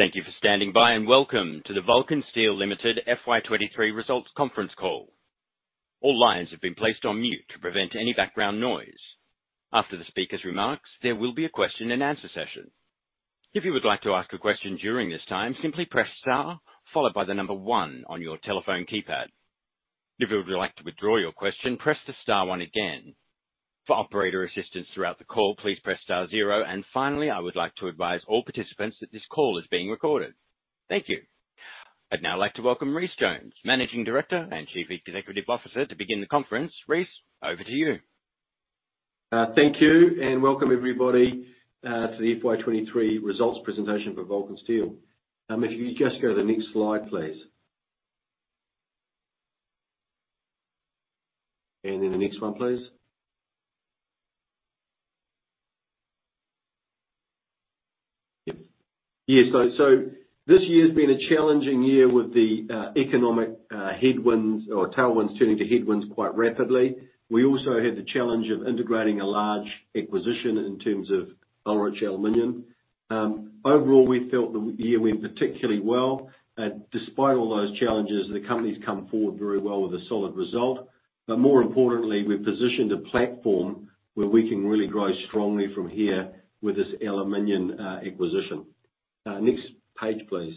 Thank you for standing by, and welcome to the Vulcan Steel Limited FY 2023 results conference call. All lines have been placed on mute to prevent any background noise. After the speaker's remarks, there will be a question and answer session. If you would like to ask a question during this time, simply press star, followed by the number one on your telephone keypad. If you would like to withdraw your question, press star one again. For operator assistance throughout the call, please press star zero, and finally, I would like to advise all participants that this call is being recorded. Thank you. I'd now like to welcome Rhys Jones, Managing Director and Chief Executive Officer, to begin the conference. Rhys, over to you. Thank you, and welcome everybody, to the FY 2023 results presentation for Vulcan Steel. If you just go to the next slide, please. And then the next one, please. Yes. So this year's been a challenging year with the economic headwinds or tailwinds turning to headwinds quite rapidly. We also had the challenge of integrating a large acquisition in terms of Ullrich Aluminium. Overall, we felt the year went particularly well. Despite all those challenges, the company's come forward very well with a solid result. But more importantly, we've positioned a platform where we can really grow strongly from here with this aluminum acquisition. Next page, please.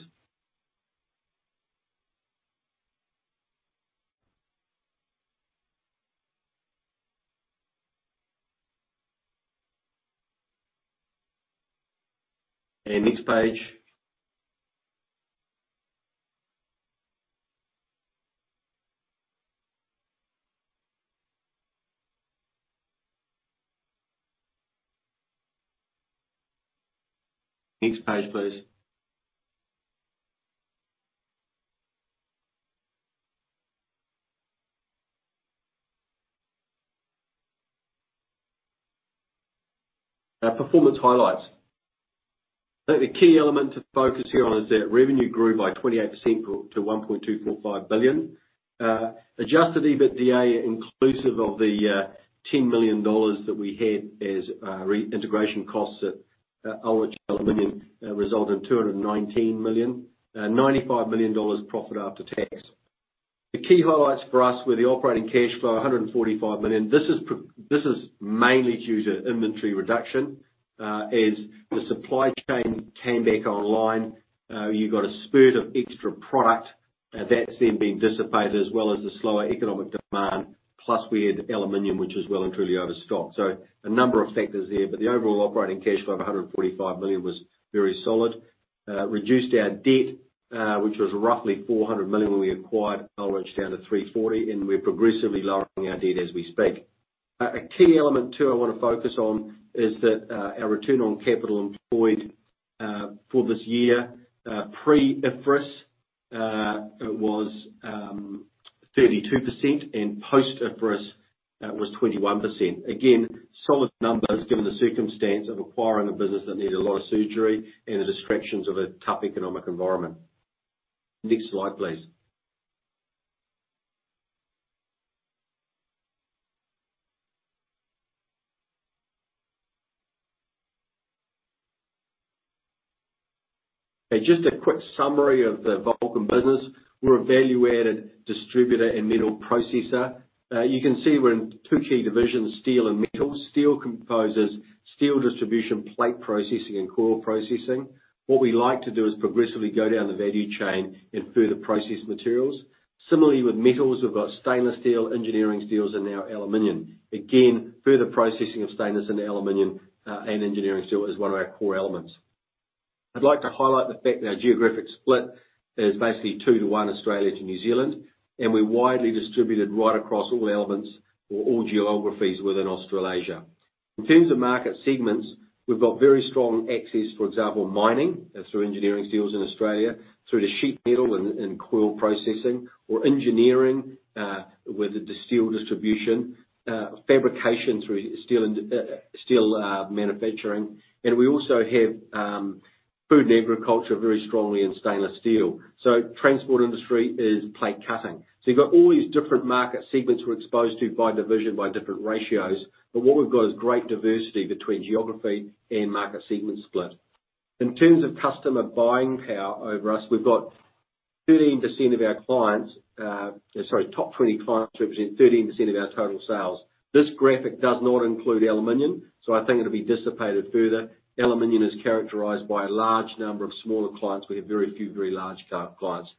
And next page. Next page, please. Performance highlights. So the key element to focus here on is that revenue grew by 28% to 1.245 billion. Adjusted EBITDA, inclusive of the 10 million dollars that we had as reintegration costs at Ullrich Aluminium, resulted in 219 million. 95 million dollars profit after tax. The key highlights for us were the operating cash flow, 145 million. This is mainly due to inventory reduction. As the supply chain came back online, you got a spurt of extra product, that's then being dissipated, as well as the slower economic demand, plus we had aluminum, which is well and truly overstocked. So a number of factors there, but the overall operating cash flow of 145 million was very solid. Reduced our debt, which was roughly 400 million when we acquired Ullrich, down to 340 million, and we're progressively lowering our debt as we speak. A key element too I wanna focus on is that our return on capital employed for this year pre-IFRS it was 32% and post-IFRS was 21%. Again, solid numbers given the circumstance of acquiring a business that needed a lot of surgery and the distractions of a tough economic environment. Next slide, please. Just a quick summary of the Vulcan business. We're a value-added distributor and metal processor. You can see we're in two key divisions, steel and metals. Steel composes steel distribution, plate processing, and coil processing. What we like to do is progressively go down the value chain and further process materials. Similarly, with metals, we've got stainless steel, engineering steels, and now aluminum. Again, further processing of stainless and aluminum and engineering steel is one of our core elements. I'd like to highlight the fact that our geographic split is basically 2:1, Australia to New Zealand, and we're widely distributed right across all elements or all geographies within Australasia. In terms of market segments, we've got very strong access, for example, mining, through engineering steels in Australia, through to sheet metal and coil processing or engineering with the steel distribution, fabrication through steel and steel manufacturing. And we also have food and agriculture very strongly in stainless steel. So transport industry is plate cutting. So you've got all these different market segments we're exposed to by division, by different ratios, but what we've got is great diversity between geography and market segment split. In terms of customer buying power over us, we've got 13% of our clients. Top 20 clients represent 13% of our total sales. This graphic does not include aluminum, so I think it'll be dissipated further. Aluminum is characterized by a large number of smaller clients. We have very few, very large clients.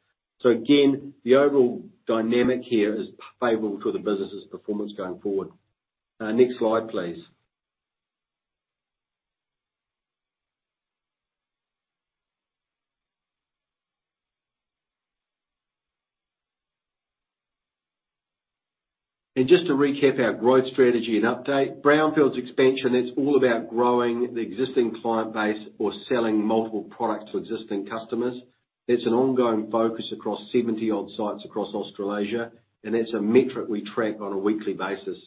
So again, the overall dynamic here is favorable to the business's performance going forward. Next slide, please. Just to recap our growth strategy and update. Brownfields expansion, it's all about growing the existing client base or selling multiple products to existing customers. It's an ongoing focus across 70-odd sites across Australasia, and that's a metric we track on a weekly basis.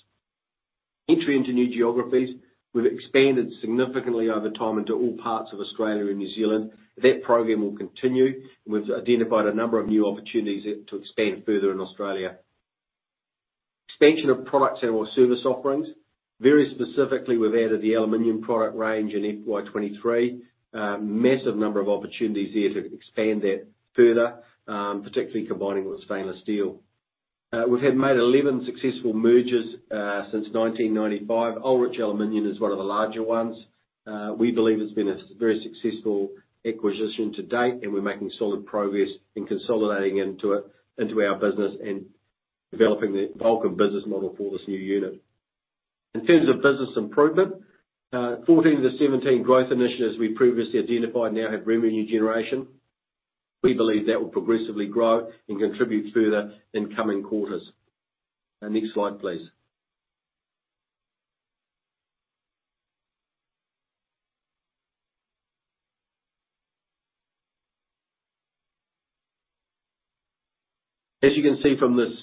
Entry into new geographies. We've expanded significantly over time into all parts of Australia and New Zealand. That program will continue, and we've identified a number of new opportunities to expand further in Australia. Expansion of products and or service offerings. Very specifically, we've added the aluminum product range in FY 2023. Massive number of opportunities there to expand that further, particularly combining with stainless steel. We've had made 11 successful mergers since 1995. Ullrich Aluminium is one of the larger ones. We believe it's been a very successful acquisition to date, and we're making solid progress in consolidating into it, into our business and developing the Vulcan business model for this new unit. In terms of business improvement, 14-17 growth initiatives we previously identified now have revenue generation. We believe that will progressively grow and contribute further in coming quarters. Next slide, please. As you can see from this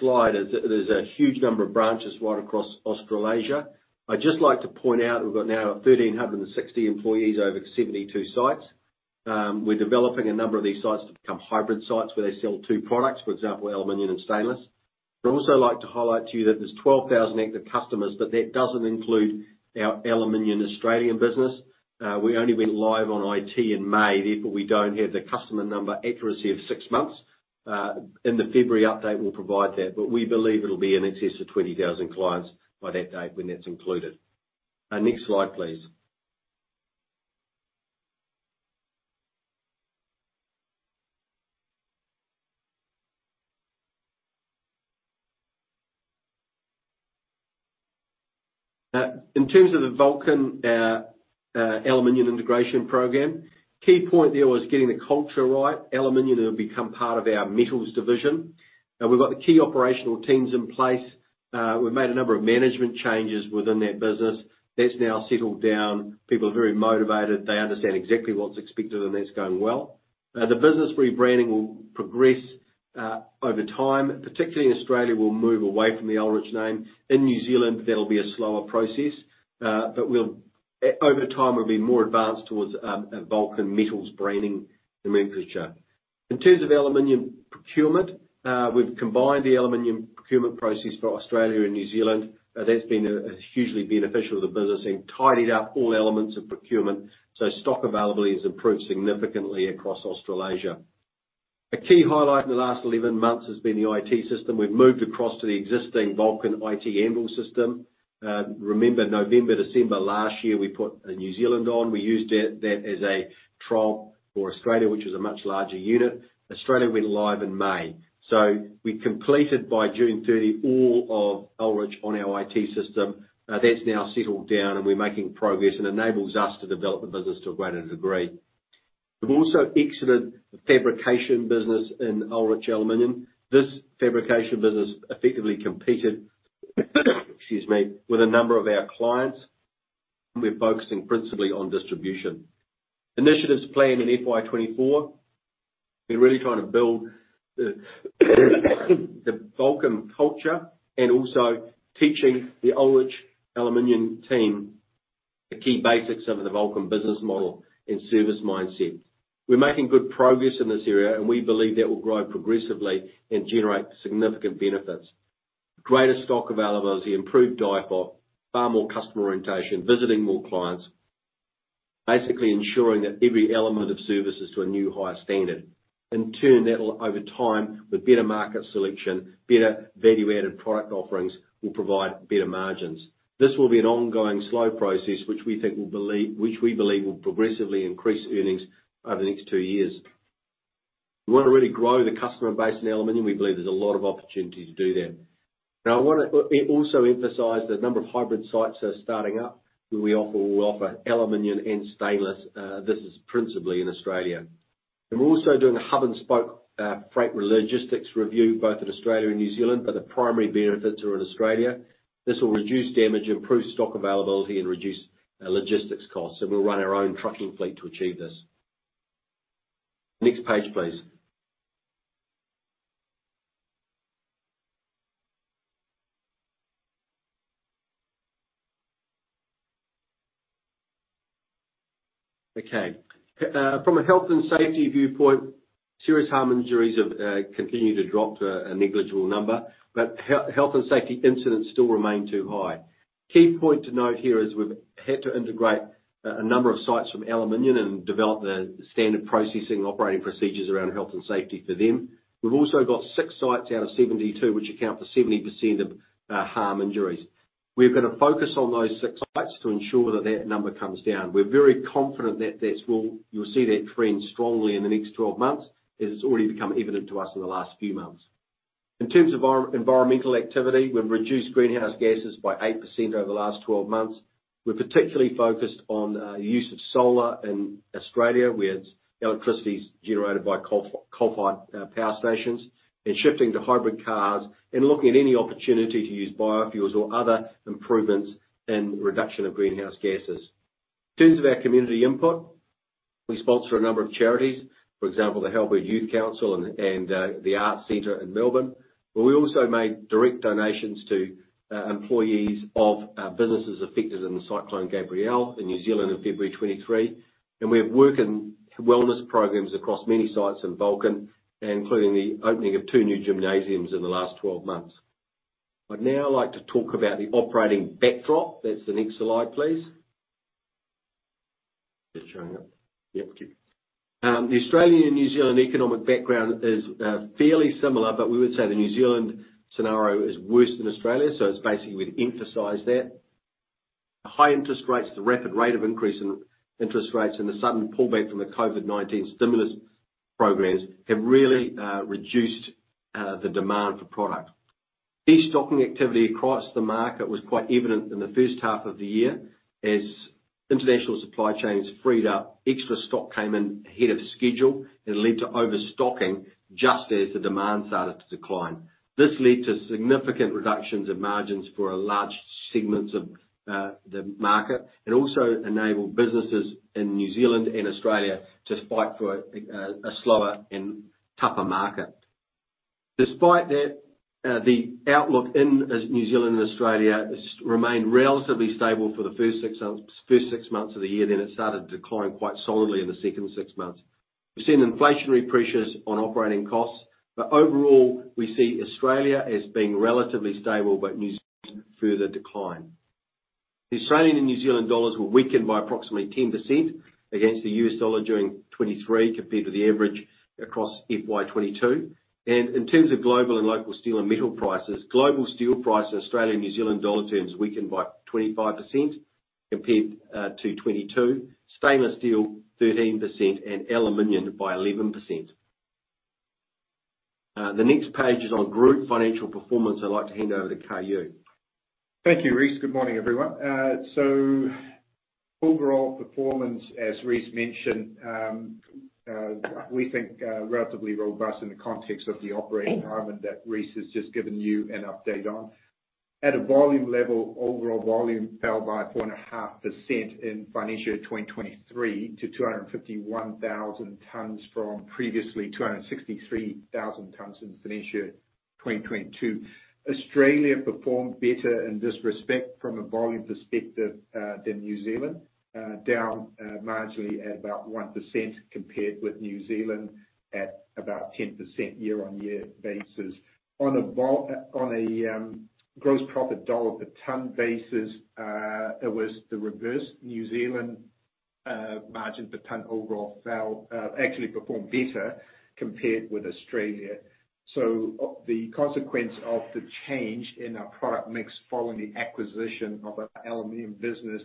slide, is that there's a huge number of branches right across Australasia. I'd just like to point out, we've got now 1,360 employees over 72 sites. We're developing a number of these sites to become hybrid sites, where they sell two products, for example, aluminum and stainless. I'd also like to highlight to you that there's 12,000 active customers, but that doesn't include our Aluminum Australian business. We only went live on IT in May, therefore, we don't have the customer number accuracy of six months. In the February update, we'll provide that, but we believe it'll be in excess of 20,000 clients by that date, when that's included. Next slide, please. In terms of the Vulcan Aluminium Integration Program, key point there was getting the culture right. Aluminum will become part of our metals division. Now, we've got the key operational teams in place. We've made a number of management changes within that business. That's now settled down. People are very motivated. They understand exactly what's expected, and that's going well. The business rebranding will progress over time, particularly in Australia, we'll move away from the Ullrich name. In New Zealand, that'll be a slower process, but over time, we'll be more advanced towards a Vulcan Metals branding and nomenclature. In terms of aluminum procurement, we've combined the aluminum procurement process for Australia and New Zealand. That's been hugely beneficial to the business and tidied up all elements of procurement, so stock availability has improved significantly across Australasia. A key highlight in the last 11 months has been the IT system. We've moved across to the existing Vulcan IT Abel System. Remember, November, December last year, we put New Zealand on. We used that as a trial for Australia, which is a much larger unit. Australia went live in May, so we completed by June 30, all of Ullrich on our IT system. That's now settled down, and we're making progress, and enables us to develop the business to a greater degree. We've also exited the fabrication business in Ullrich Aluminium. This fabrication business effectively competed, excuse me, with a number of our clients, and we're focusing principally on distribution. Initiatives planned in FY 2024, we're really trying to build the Vulcan culture and also teaching the Ullrich Aluminium team the key basics of the Vulcan business model and service mindset. We're making good progress in this area, and we believe that will grow progressively and generate significant benefits. Greater stock availability, improved stock, far more customer orientation, visiting more clients, basically ensuring that every element of service is to a new higher standard. In turn, that'll over time, with better market selection, better value-added product offerings, will provide better margins. This will be an ongoing slow process, which we believe will progressively increase earnings over the next two years. We want to really grow the customer base in aluminum. We believe there's a lot of opportunity to do that. Now, I wanna also emphasize the number of hybrid sites that are starting up, where we offer, we offer aluminum and stainless. This is principally in Australia. And we're also doing a hub and spoke freight logistics review, both in Australia and New Zealand, but the primary benefits are in Australia. This will reduce damage, improve stock availability, and reduce logistics costs, and we'll run our own trucking fleet to achieve this. Next page, please. Okay. From a health and safety viewpoint, serious harm injuries have continued to drop to a negligible number, but health and safety incidents still remain too high. Key point to note here is we've had to integrate a number of sites from Ullrich Aluminium and develop the standard processing operating procedures around health and safety for them. We've also got six sites out of 72, which account for 70% of harm injuries. We're gonna focus on those six sites to ensure that that number comes down. We're very confident that you'll see that trend strongly in the next twelve months, as it's already become evident to us in the last few months. In terms of our environmental activity, we've reduced greenhouse gases by 8% over the last twelve months. We're particularly focused on use of solar in Australia, where its electricity is generated by coal-coal fired power stations. And shifting to hybrid cars and looking at any opportunity to use biofuels or other improvements in reduction of greenhouse gases. In terms of our community input, we sponsor a number of charities, for example, the Halberg Youth Council and the Arts Centre in Melbourne, but we also make direct donations to employees of businesses affected in the Cyclone Gabrielle in New Zealand in February 2023. We have work and wellness programs across many sites in Vulcan, including the opening of two new gymnasiums in the last 12 months. I'd now like to talk about the operating backdrop. That's the next slide, please. Just showing up. Yep, thank you. The Australian and New Zealand economic background is fairly similar, but we would say the New Zealand scenario is worse than Australia, so it's basically we'd emphasize that. High interest rates, the rapid rate of increase in interest rates, and the sudden pullback from the COVID-19 stimulus programs have really reduced the demand for product. Destocking activity across the market was quite evident in the first half of the year. As international supply chains freed up, extra stock came in ahead of schedule and led to overstocking, just as the demand started to decline. This led to significant reductions in margins for a large segments of the market, and also enabled businesses in New Zealand and Australia to fight through a slower and tougher market. Despite that, the outlook in Australia and New Zealand remained relatively stable for the first six months of the year, then it started to decline quite solidly in the second six months. We've seen inflationary pressures on operating costs, but overall, we see Australia as being relatively stable, but New Zealand, further decline. The Australian and New Zealand dollars were weakened by approximately 10% against the US dollar during 2023, compared to the average across FY 2022. In terms of global and local steel and metal prices, global steel prices in Australia and New Zealand dollar terms weakened by 25% compared to 2022. Stainless steel, 13%, and aluminum by 11%. The next page is on group financial performance. I'd like to hand over to Kar Yue. Thank you, Rhys. Good morning, everyone. So overall performance, as Rhys mentioned, we think relatively robust in the context of the operating environment that Rhys has just given you an update on. At a volume level, overall volume fell by 4.5% in financial year 2023, to 251,000 tons, from previously 263,000 tons in financial year 2022. Australia performed better in this respect from a volume perspective than New Zealand. Down marginally at about 1% compared with New Zealand at about 10% year-on-year basis. On a gross profit dollar per ton basis, it was the reverse. New Zealand margin per ton overall actually performed better compared with Australia. So the consequence of the change in our product mix, following the acquisition of our aluminum business,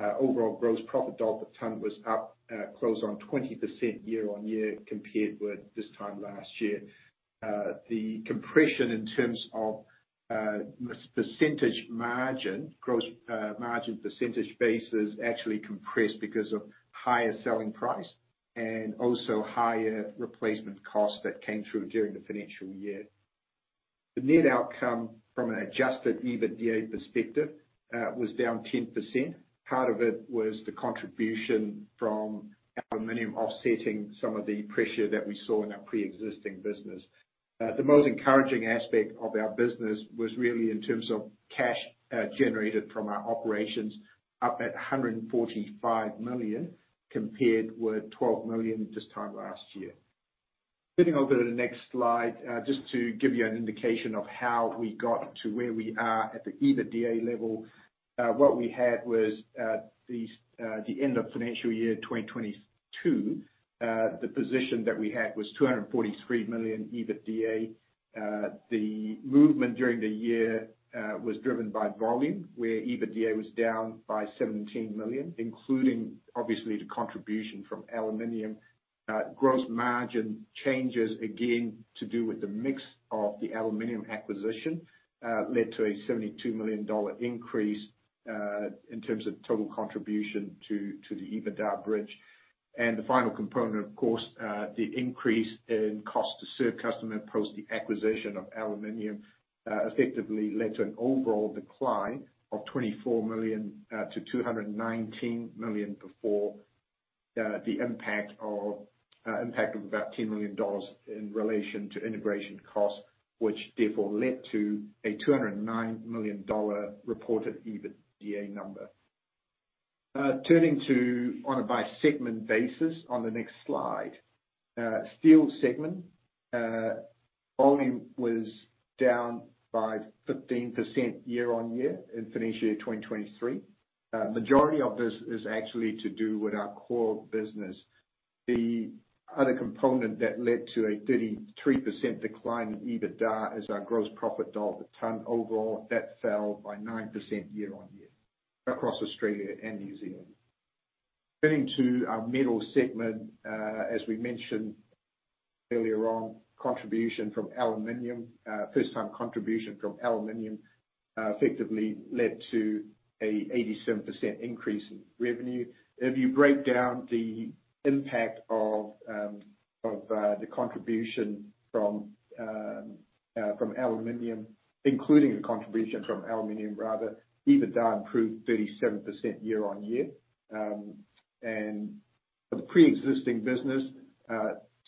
overall gross profit dollar per ton was up, close on 20% year-on-year, compared with this time last year. The compression in terms of, percentage margin, gross, margin percentage basis, actually compressed because of higher selling price, and also higher replacement costs that came through during the financial year. The net outcome from an adjusted EBITDA perspective, was down 10%. Part of it was the contribution from aluminum, offsetting some of the pressure that we saw in our pre-existing business. The most encouraging aspect of our business was really in terms of cash, generated from our operations, up at 145 million, compared with 12 million this time last year. Flipping over to the next slide. Just to give you an indication of how we got to where we are at the EBITDA level. What we had was, at the end of financial year 2022, the position that we had was 243 million EBITDA. The movement during the year was driven by volume, where EBITDA was down by 17 million, including obviously, the contribution from aluminum. Gross margin changes, again, to do with the mix of the aluminum acquisition, led to a 72 million dollar increase, in terms of total contribution to the EBITDA bridge. The final component, of course, the increase in cost to serve customer post the acquisition of aluminum, effectively led to an overall decline of 24 million to 219 million, before the impact of about 10 million dollars in relation to integration costs. Which therefore led to a 209 million dollar reported EBITDA number. Turning to on a by-segment basis on the next slide. Steel segment, volume was down by 15% year-on-year, in financial year 2023. Majority of this is actually to do with our core business. The other component that led to a 33% decline in EBITDA, is our gross profit dollar per ton overall. That fell by 9% year-on-year, across Australia and New Zealand. Getting to our metal segment, as we mentioned earlier on, contribution from aluminum, first time contribution from aluminum, effectively led to an 87% increase in revenue. If you break down the impact of the contribution from aluminum, including the contribution from aluminum, rather, EBITDA improved 37% year-on-year. Of pre-existing business,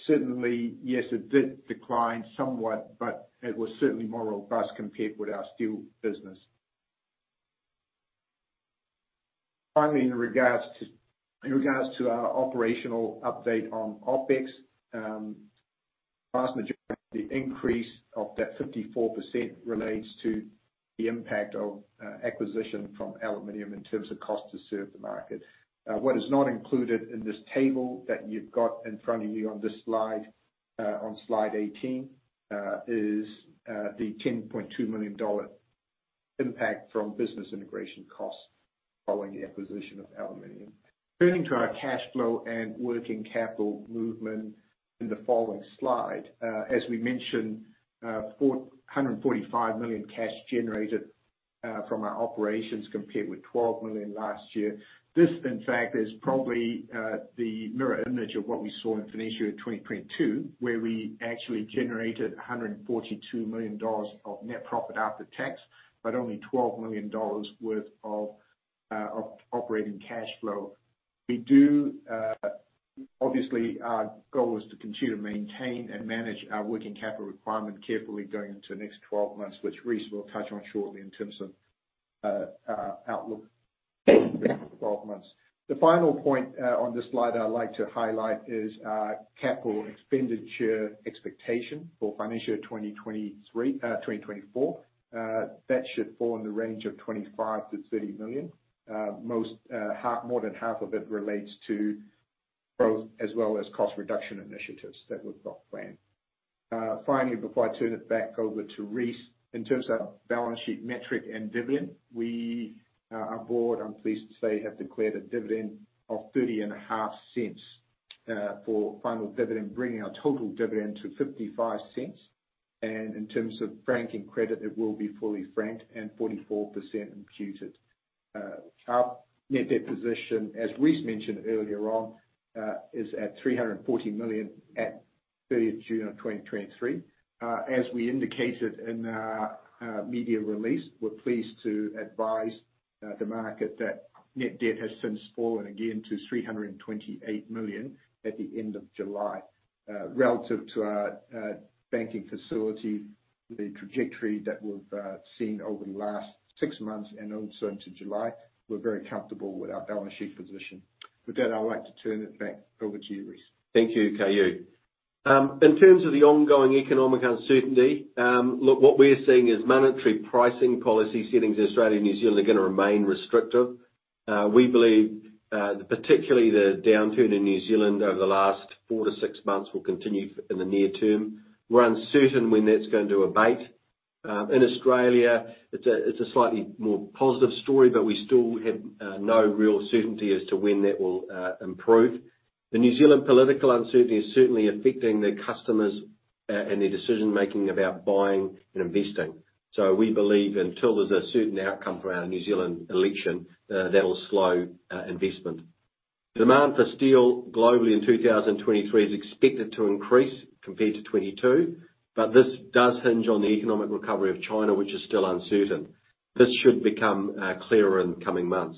certainly, yes, it did decline somewhat, but it was certainly more robust compared with our steel business. Finally, in regards to our operational update on OpEx, vast majority increase of that 54% relates to the impact of acquisition from aluminum in terms of cost to serve the market. What is not included in this table that you've got in front of you on this slide, on slide 18, is the 10.2 million dollar impact from business integration costs following the acquisition of Ullrich Aluminium. Turning to our cash flow and working capital movement in the following slide. As we mentioned, 445 million cash generated from our operations, compared with 12 million last year. This, in fact, is probably the mirror image of what we saw in financial year 2022, where we actually generated a 142 million dollars of net profit after tax, but only 12 million dollars worth of operating cash flow. We do. Obviously, our goal is to continue to maintain and manage our working capital requirement carefully going into the next 12 months, which Rhys will touch on shortly in terms of outlook for the next 12 months. The final point on this slide that I'd like to highlight is our capital expenditure expectation for financial year 2023, 2024. That should fall in the range of 25 million-30 million. Most, more than half of it relates to growth as well as cost reduction initiatives that we've got planned. Finally, before I turn it back over to Rhys, in terms of balance sheet metric and dividend, we, our board, I'm pleased to say, have declared a dividend of 0.305 for final dividend, bringing our total dividend to 0.55. And in terms of franking credit, it will be fully franked and 44% imputed. Our net debt position, as Rhys mentioned earlier on, is at 340 million at 30th of June of 2023. As we indicated in our media release, we're pleased to advise the market that net debt has since fallen again to 328 million at the end of July. Relative to our banking facility, the trajectory that we've seen over the last six months and also into July, we're very comfortable with our balance sheet position. With that, I'd like to turn it back over to you, Rhys. Thank you, Kar Yue. In terms of the ongoing economic uncertainty, look, what we're seeing is monetary pricing policy settings in Australia and New Zealand are going to remain restrictive. We believe that particularly the downturn in New Zealand over the last four to six months will continue in the near term. We're uncertain when that's going to abate. In Australia, it's a slightly more positive story, but we still have no real certainty as to when that will improve. The New Zealand political uncertainty is certainly affecting their customers and their decision-making about buying and investing. So we believe until there's a certain outcome around the New Zealand election, that'll slow investment. Demand for steel globally in 2023 is expected to increase compared to 2022, but this does hinge on the economic recovery of China, which is still uncertain. This should become clearer in the coming months.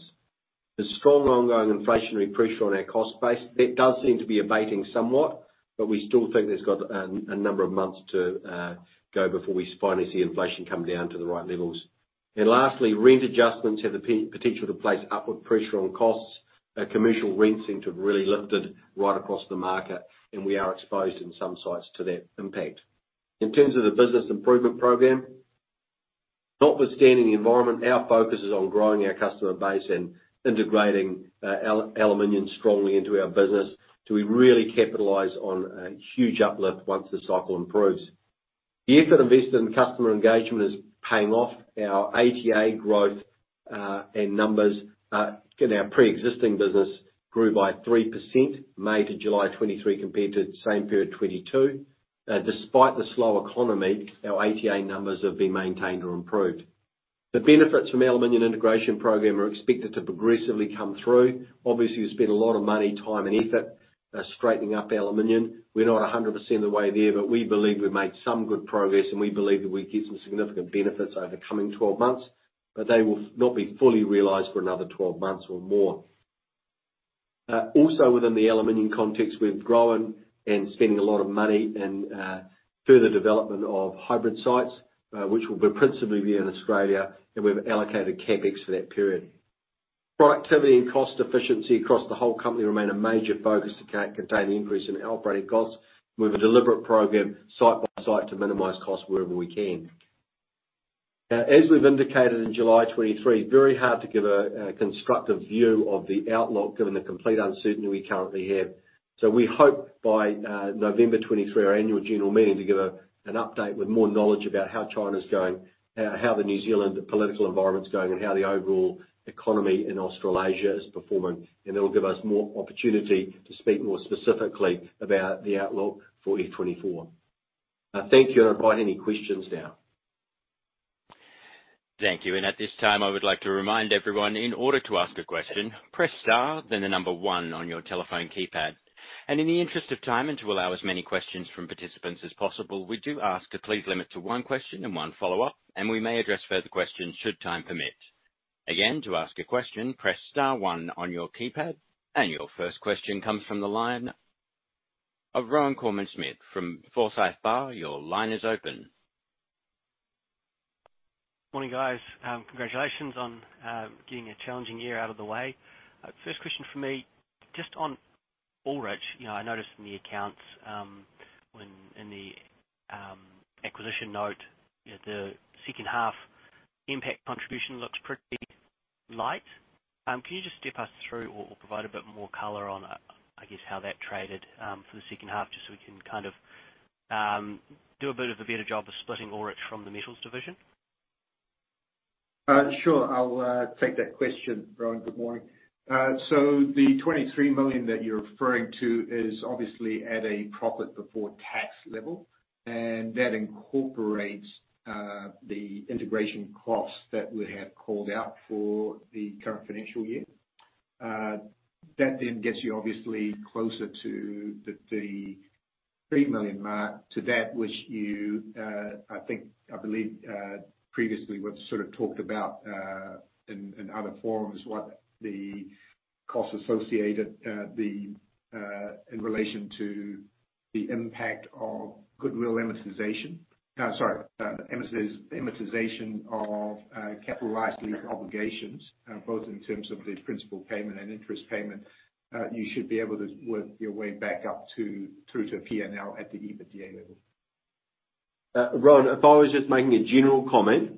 The strong ongoing inflationary pressure on our cost base, that does seem to be abating somewhat, but we still think it's got a number of months to go before we finally see inflation come down to the right levels. And lastly, rent adjustments have the potential to place upward pressure on costs. Commercial rents seem to have really lifted right across the market, and we are exposed in some sites to that impact. In terms of the business improvement program, notwithstanding the environment, our focus is on growing our customer base and integrating Aluminum strongly into our business, so we really capitalize on a huge uplift once the cycle improves. The effort invested in customer engagement is paying off. Our ATA growth and numbers in our pre-existing business grew by 3% May to July 2023, compared to the same period 2022. Despite the slow economy, our ATA numbers have been maintained or improved. The benefits from Aluminum integration program are expected to progressively come through. Obviously, we spent a lot of money, time and effort straightening up Aluminum. We're not 100% of the way there, but we believe we've made some good progress, and we believe that we'll get some significant benefits over the coming 12 months, but they will not be fully realized for another 12 months or more. Also within the Aluminum context, we've grown and spending a lot of money in further development of hybrid sites, which will principally be in Australia, and we've allocated CapEx for that period. Productivity and cost efficiency across the whole company remain a major focus to contain the increase in operating costs, with a deliberate program, site by site, to minimize costs wherever we can. As we've indicated in July 2023, very hard to give a constructive view of the outlook, given the complete uncertainty we currently have. So we hope by November 2023, our annual general meeting, to give an update with more knowledge about how China's going and how the New Zealand political environment's going, and how the overall economy in Australasia is performing. And that will give us more opportunity to speak more specifically about the outlook for 2024. Thank you, and I'll invite any questions now. Thank you. At this time, I would like to remind everyone, in order to ask a question, press star, then the number one on your telephone keypad. In the interest of time, and to allow as many questions from participants as possible, we do ask to please limit to one question and one follow-up, and we may address further questions, should time permit. Again, to ask a question, press star one on your keypad. Your first question comes from the line of Rohan Koreman-Smit from Forsyth Barr. Your line is open. Morning, guys. Congratulations on getting a challenging year out of the way. First question for me, just on Ullrich, you know, I noticed in the accounts, when in the acquisition note, you know, the second half impact contribution looks pretty light. Can you just step us through or provide a bit more color on, I guess, how that traded for the second half? Just so we can kind of do a bit of a better job of splitting Ullrich from the metals division. Sure. I'll take that question, Rohan. Good morning. So the 23 million that you're referring to is obviously at a profit before tax level, and that incorporates the integration costs that we have called out for the current financial year. That then gets you obviously closer to the 3 million mark to that which you, I think, I believe, previously we've sort of talked about, in other forums, what the costs associated, the, in relation to the impact of goodwill amortization. No, sorry, amortization, amortization of capitalized lease obligations, both in terms of the principal payment and interest payment. You should be able to work your way back up to, through to P&L at the EBITDA level. Rohan, if I was just making a general comment,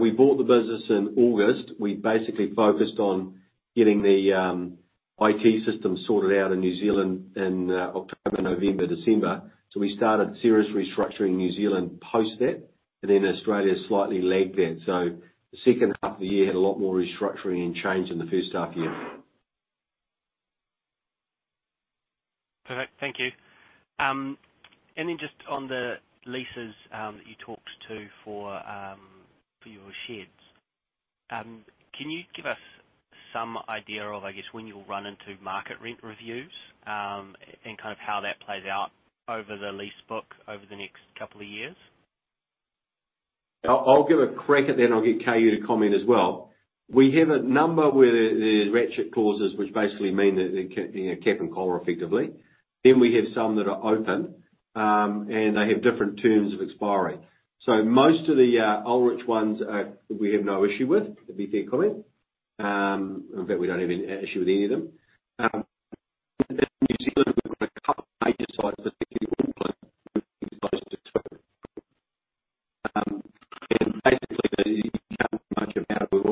we bought the business in August. We basically focused on getting the IT system sorted out in New Zealand in October, November, December. So we started serious restructuring in New Zealand post that, and then Australia slightly lagged that. So the second half of the year had a lot more restructuring and change than the first half year. Perfect. Thank you. And then just on the leases that you talked to for your sheds. Can you give us some idea of, I guess, when you'll run into market rent reviews and kind of how that plays out over the lease book over the next couple of years? I'll give a crack at that, and I'll get Kar Yue to comment as well. We have a number where the ratchet clauses, which basically mean that they you know, cap and collar effectively. Then we have some that are open, and they have different terms of expiry. So most of the Ullrich ones, we have no issue with, to be fair comment. In fact, we don't have any issue with any of them. In New Zealand, a couple major sites, and basically they can't do much about it.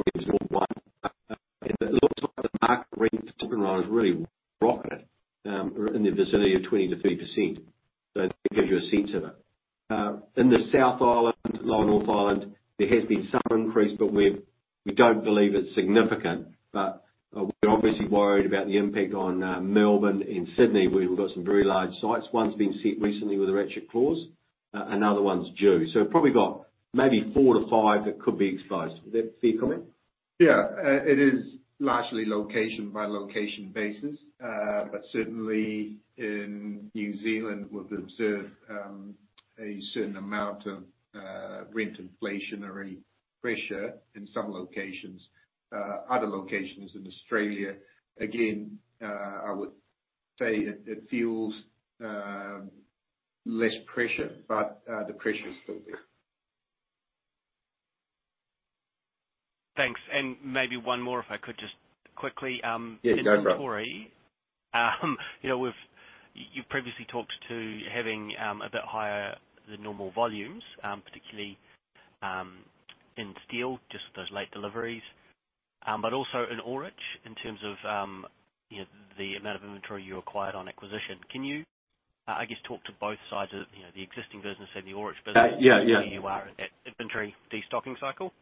It looks like the market rate has really rocketed, in the vicinity of 20%-30%. So it gives you a sense of it. In the South Island, lower North Island, there has been some increase, but we don't believe it's significant. But, we're obviously worried about the impact on Melbourne and Sydney, where we've got some very large sites. One's been set recently with a ratchet clause, another one's due. So probably got maybe four to five that could be exposed. Would that be your comment? Yeah. It is largely location by location basis. But certainly in New Zealand, we've observed a certain amount of rent inflation or any pressure in some locations. Other locations in Australia, again, I would say it feels less pressure, but the pressure is still there. Thanks. And maybe one more, if I could just quickly, Yeah, go bro. You know, you've previously talked to having a bit higher than normal volumes, particularly in steel, just with those late deliveries. But also in Ullrich, in terms of, you know, the amount of inventory you acquired on acquisition. Can you, I guess, talk to both sides of, you know, the existing business and the Ullrich business? Yeah, yeah. Where you are at inventory destocking cycle?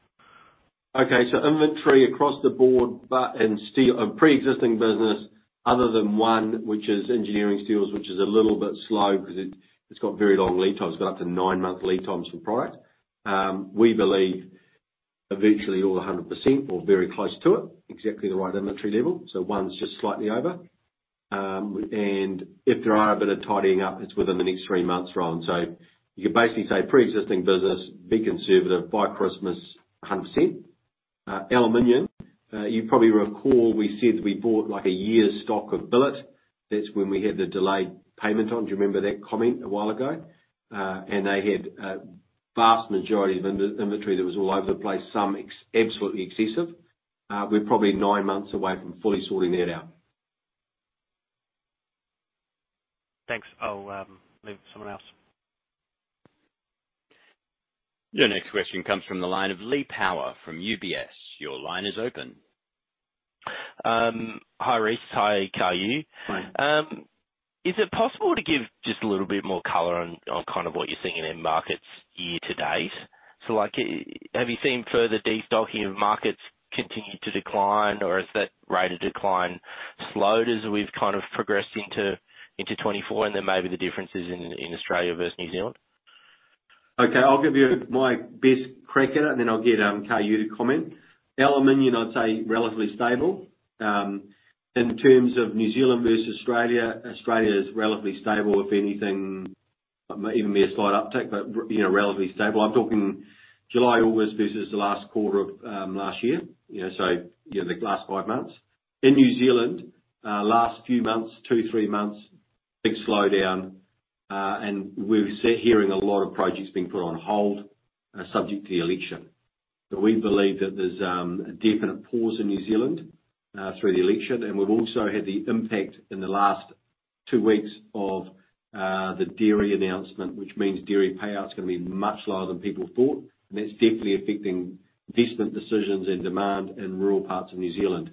Okay, so inventory across the board, but in steel, a pre-existing business other than one, which is engineering steels, which is a little bit slow because it's got very long lead times. It's got up to nine-month lead times for product. We believe eventually, all 100% or very close to it, exactly the right inventory level, so one's just slightly over. And if there are a bit of tidying up, it's within the next three months, Rohan. So you could basically say pre-existing business, be conservative by Christmas, 100%. Aluminum, you probably recall, we said we bought, like, a year's stock of billet. That's when we had the delayed payment on... Do you remember that comment a while ago? And they had a vast majority of inventory that was all over the place, some absolutely excessive. We're probably nine months away from fully sorting that out. Thanks. I'll leave someone else. Your next question comes from the line of Lee Power from UBS. Your line is open. Hi, Rhys. Hi, Kar Yue. Hi. Is it possible to give just a little bit more color on, on kind of what you're seeing in markets year to date? So, like, have you seen further destocking of markets continue to decline, or has that rate of decline slowed as we've kind of progressed into, into 2024, and then maybe the differences in, in Australia versus New Zealand? Okay, I'll give you my best crack at it, and then I'll get Kar Yue to comment. Aluminum, I'd say relatively stable. In terms of New Zealand versus Australia, Australia is relatively stable. If anything might even be a slight uptick, but you know, relatively stable. I'm talking July, August, versus the last quarter of last year. You know, so, you know, the last five months. In New Zealand, last few months, two, three months, big slowdown, and we've start hearing a lot of projects being put on hold, subject to the election. So we believe that there's a definite pause in New Zealand, through the election. And we've also had the impact in the last two weeks of the dairy announcement, which means dairy payouts are gonna be much lower than people thought, and that's definitely affecting investment decisions and demand in rural parts of New Zealand.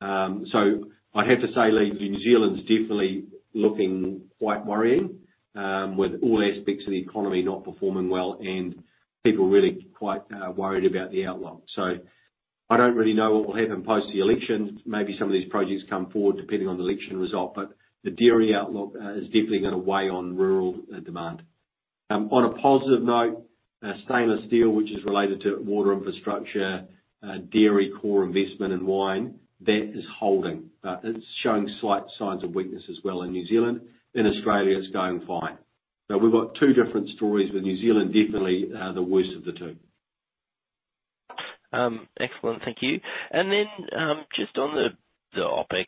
So I'd have to say, Lee, New Zealand's definitely looking quite worrying, with all aspects of the economy not performing well, and people really quite worried about the outlook. So I don't really know what will happen post the election. Maybe some of these projects come forward, depending on the election result, but the dairy outlook is definitely gonna weigh on rural demand. On a positive note, stainless steel, which is related to water infrastructure, dairy core investment, and wine, that is holding. It's showing slight signs of weakness as well in New Zealand. In Australia, it's going fine. So we've got two different stories, with New Zealand definitely, the worst of the two. Excellent. Thank you. And then, just on the OpEx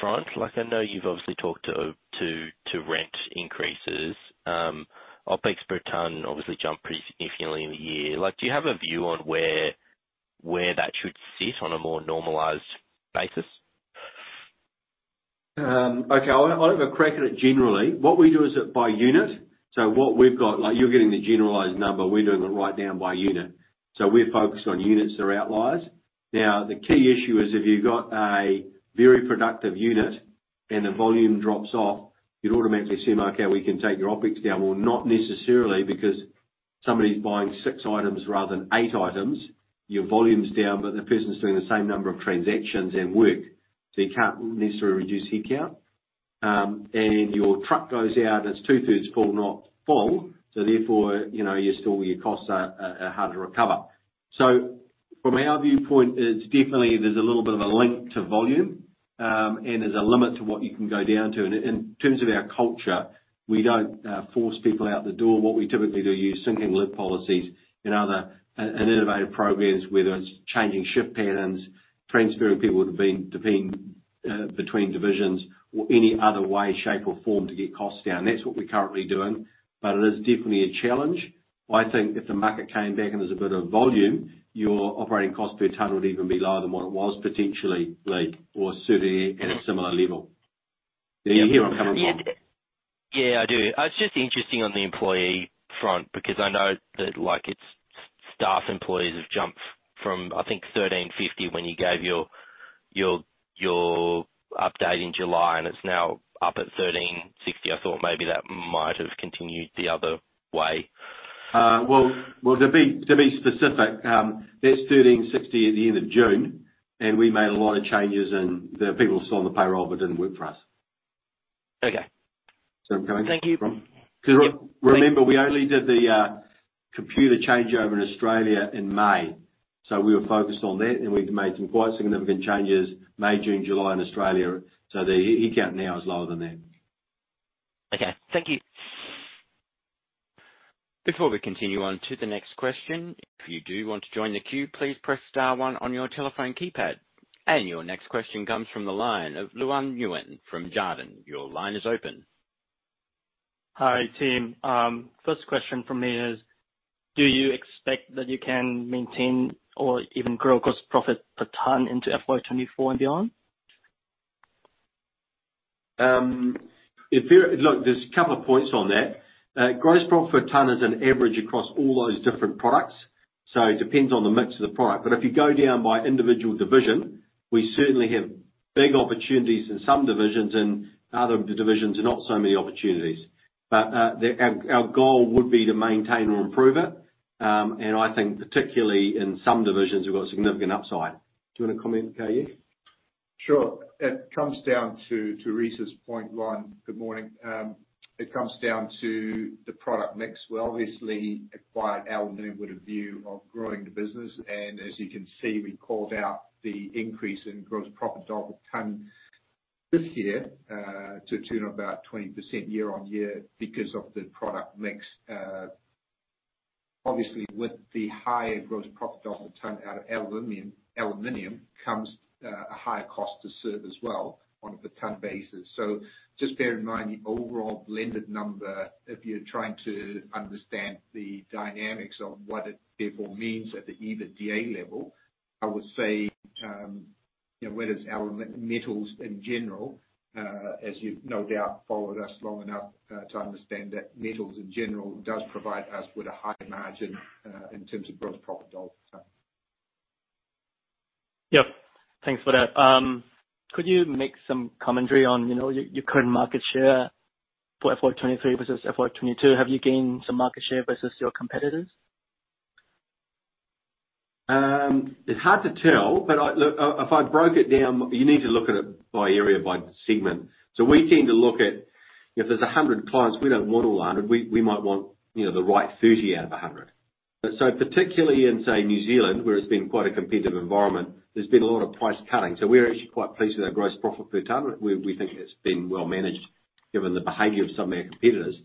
front, like I know you've obviously talked to rent increases. OpEx per ton obviously jumped pretty significantly in the year. Like, do you have a view on where that should sit on a more normalized basis? Okay. I'll have a crack at it generally. What we do is it by unit, so what we've got. Like, you're getting the generalized number, we're doing it right down by unit. So we're focused on units that are outliers. Now, the key issue is, if you've got a very productive unit and the volume drops off, you'd automatically assume, "Okay, we can take your OpEx down." Well, not necessarily, because somebody's buying six items rather than eight items. Your volume's down, but the person's doing the same number of transactions and work, so you can't necessarily reduce headcount. And your truck goes out, and it's two-thirds full, not full, so therefore, you know, you're still, your costs are harder to recover. So from our viewpoint, it's definitely there's a little bit of a link to volume, and there's a limit to what you can go down to. And in terms of our culture, we don't force people out the door. What we typically do, use sinking lid policies and other and innovative programs, whether it's changing shift patterns, transferring people between divisions or any other way, shape, or form to get costs down. That's what we're currently doing, but it is definitely a challenge. I think if the market came back and there's a bit of volume, your operating cost per ton would even be lower than what it was potentially, Lee, or sitting at a similar level. Do you hear where I'm coming from? Yeah, I do. It's just interesting on the employee front, because I know that, like, staff employees have jumped from, I think, 1,350 when you gave your update in July, and it's now up at 1,360. I thought maybe that might have continued the other way. Well, to be specific, that's 1,360 at the end of June, and we made a lot of changes, and there are people still on the payroll that didn't work for us. Okay. Thank you. Thank you. Because remember, we only did the computer changeover in Australia in May, so we were focused on that, and we've made some quite significant changes May, June, July in Australia. So the headcount now is lower than then. Okay. Thank you. Before we continue on to the next question, if you do want to join the queue, please press star one on your telephone keypad. Your next question comes from the line of Luan Nguyen from Jarden. Your line is open. Hi, team. First question from me is, do you expect that you can maintain or even grow gross profit per ton into FY 2024 and beyond? If you look, there's a couple of points on that. Gross profit ton is an average across all those different products, so it depends on the mix of the product. But if you go down by individual division, we certainly have big opportunities in some divisions, and other of the divisions, not so many opportunities. But our goal would be to maintain or improve it. And I think particularly in some divisions, we've got significant upside. Do you want to comment, Kar Yue? Sure. It comes down to, to Rhys's point, Luan. Good morning. It comes down to the product mix. We obviously acquired Ullrich Aluminium with a view of growing the business, and as you can see, we called out the increase in gross profit dollar per ton this year, to turn about 20% year-on-year because of the product mix. Obviously, with the higher gross profit dollar per ton out of aluminum, aluminum, comes a higher cost to serve as well on a per-ton basis. So just bear in mind the overall blended number if you're trying to understand the dynamics of what it therefore means at the EBITDA level. I would say, you know, whereas our metals in general, as you've no doubt followed us long enough, to understand that metals, in general, does provide us with a high margin, in terms of gross profit dollar, so. Yep. Thanks for that. Could you make some commentary on, you know, your, your current market share for FY 2023 versus FY 2022? Have you gained some market share versus your competitors? It's hard to tell, but look, if I broke it down, you need to look at it by area, by segment. So we tend to look at, if there's 100 clients, we don't want all 100. We, we might want, you know, the right 30 out of 100. So particularly in, say, New Zealand, where it's been quite a competitive environment, there's been a lot of price cutting. So we're actually quite pleased with our gross profit per ton. We, we think it's been well managed, given the behavior of some of our competitors.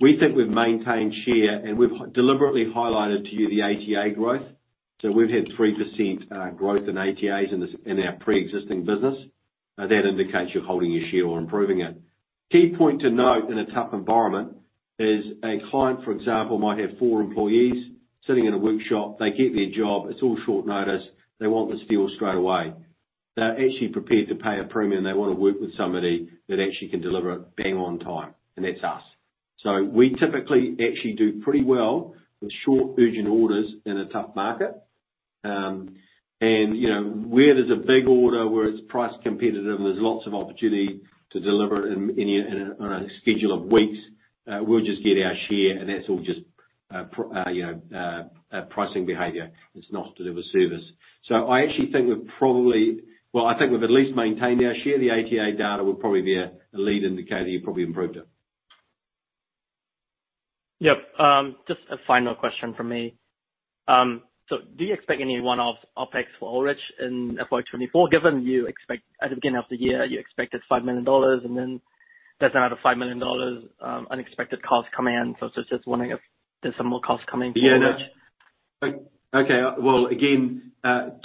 We think we've maintained share, and we've deliberately highlighted to you the ATA growth. So we've had 3% growth in ATAs in this, in our pre-existing business. Now, that indicates you're holding your share or improving it. Key point to note in a tough environment is a client, for example, might have four employees sitting in a workshop. They get their job, it's all short notice. They want the steel straight away. They're actually prepared to pay a premium. They want to work with somebody that actually can deliver it bang on time, and that's us. So we typically actually do pretty well with short, urgent orders in a tough market. And, you know, where there's a big order, where it's price competitive, and there's lots of opportunity to deliver it in a schedule of weeks, we'll just get our share, and that's all just pricing behavior. It's not delivery service. So I actually think we've probably... Well, I think we've at least maintained our share. The ATA data will probably be a lead indicator. We probably improved it. Yep. Just a final question from me. So do you expect any one-off OpEx for Ullrich in FY 2024? Given you expect, at the beginning of the year, you expected 5 million dollars, and then there's another 5 million dollars, unexpected costs coming in. So, so just wondering if there's some more costs coming in for Ullrich. Yeah. Okay, well, again,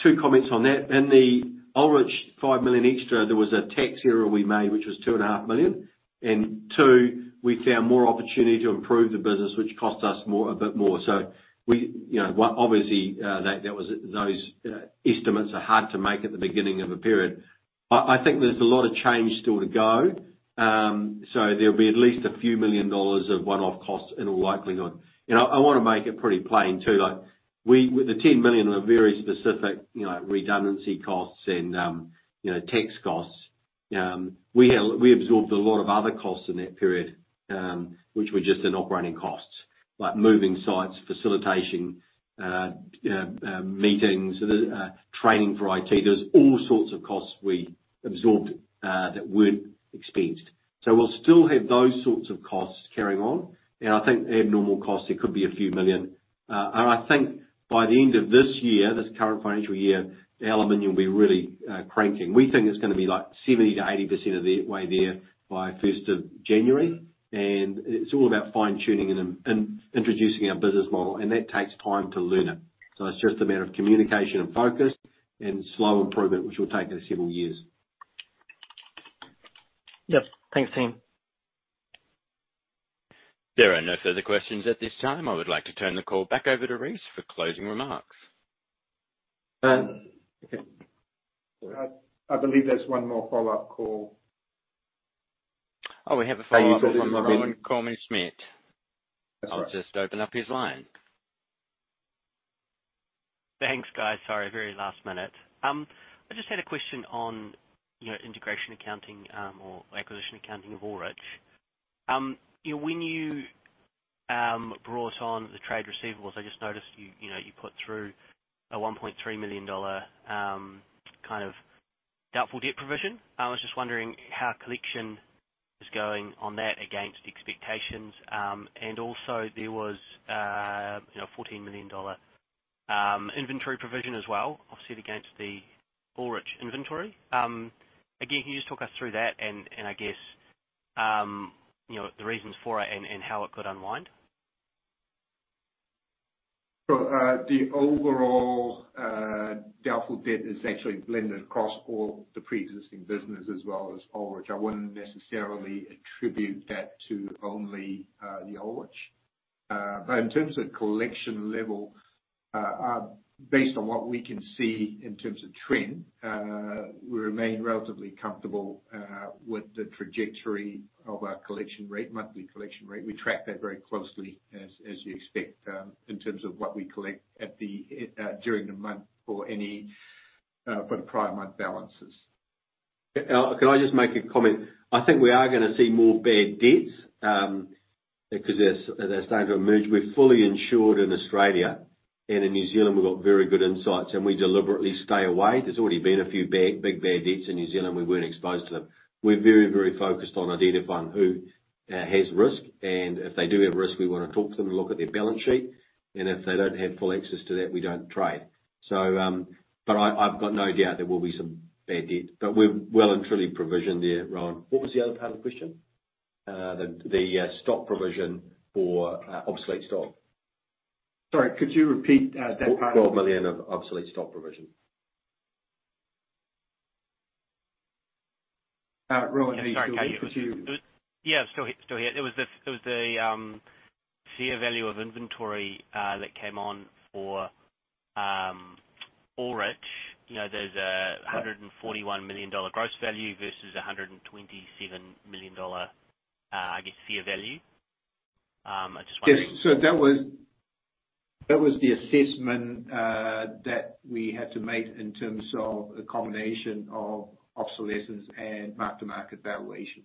two comments on that. In the Ullrich 5 million extra, there was a tax error we made, which was 2.5 million. And two, we found more opportunity to improve the business, which cost us more, a bit more. So we, you know, well, obviously, that was those estimates are hard to make at the beginning of a period. I think there's a lot of change still to go. So there'll be at least a few million dollars of one-off costs in all likelihood. You know, I wanna make it pretty plain, too, like, we, with the 10 million of very specific, you know, redundancy costs and, you know, tax costs, we have, we absorbed a lot of other costs in that period, which were just in operating costs, like moving sites, facilitation, meetings, training for IT. There's all sorts of costs we absorbed, that weren't expensed. So we'll still have those sorts of costs carrying on, and I think the abnormal cost, it could be a few million. And I think by the end of this year, this current financial year, the aluminum will be really, cranking. We think it's gonna be, like, 70%-80% of the way there by first of January, and it's all about fine-tuning and introducing our business model, and that takes time to learn it. It's just a matter of communication and focus and slow improvement, which will take us several years. Yep. Thanks, team. There are no further questions at this time. I would like to turn the call back over to Rhys for closing remarks. Uh, okay. I believe there's one more follow-up call. Oh, we have a follow-up from Rohan Koreman-Smit. That's right. I'll just open up his line. Thanks, guys. Sorry, very last minute. I just had a question on, you know, integration accounting, or acquisition accounting of Ullrich. You know, when you, brought on the trade receivables, I just noticed you, you know, you put through a 1.3 million dollar, kind of doubtful debt provision. I was just wondering how collection is going on that against expectations. And also, there was, you know, 14 million dollar, inventory provision as well, obviously against the Ullrich inventory. Again, can you just talk us through that and, and I guess, you know, the reasons for it and, and how it could unwind? So, the overall doubtful debt is actually blended across all the pre-existing business as well as Ullrich. I wouldn't necessarily attribute that to only the Ullrich. But in terms of collection level, based on what we can see in terms of trend, we remain relatively comfortable with the trajectory of our collection rate, monthly collection rate. We track that very closely, as you expect, in terms of what we collect during the month or any for the prior month balances. Can I just make a comment? I think we are gonna see more bad debts because they're, they're starting to emerge. We're fully insured in Australia, and in New Zealand we've got very good insights, and we deliberately stay away. There's already been a few bad, big, bad debts in New Zealand. We weren't exposed to them. We're very, very focused on identifying who has risk, and if they do have risk, we wanna talk to them and look at their balance sheet. And if they don't have full access to that, we don't trade. So, but I, I've got no doubt there will be some bad debt, but we're well and truly provisioned there, Rohan. What was the other part of the question? The stock provision for obsolete stock. Sorry, could you repeat that part? 12 million of obsolete stock provision. Rohan, are you still with you? Yeah, still, still here. It was the fair value of inventory that came on for Ullrich. You know, there's 141 million dollar gross value versus 127 million dollar, I guess, fair value. I just wondering- Yes. So that was, that was the assessment that we had to make in terms of a combination of obsolescence and mark-to-market valuation.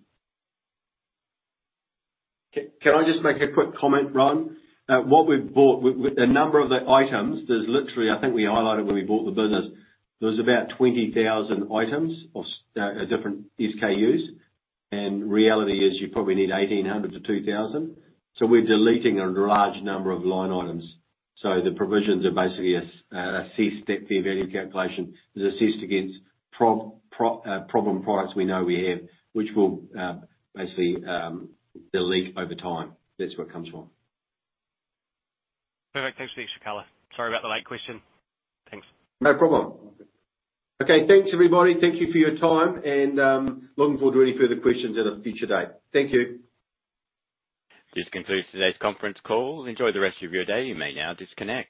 Can I just make a quick comment, Rohan? What we've bought with the number of the items, there's literally, I think we highlighted when we bought the business, there was about 20,000 items of different SKUs, and reality is you probably need 1,800-2,000. So we're deleting a large number of line items. So the provisions are basically a ceased fair value calculation. There's a ceased against problem products we know we have, which we'll basically delete over time. That's where it comes from. Perfect. Thanks for the extra color. Sorry about the late question. Thanks. No problem. Okay. Thanks, everybody. Thank you for your time, and looking forward to any further questions at a future date. Thank you. This concludes today's conference call. Enjoy the rest of your day. You may now disconnect.